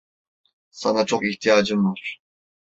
Sana çok ihtiyacım var…